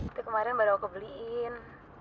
tapi kemarin baru aku beliin